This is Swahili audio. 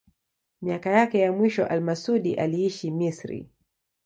Miaka yake ya mwisho al-Masudi aliishi Misri.